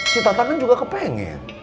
si tatang kan juga kepengen